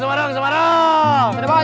semarang semarang semarang